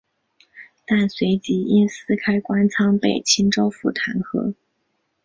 但随即因私开官仓被青州府弹劾。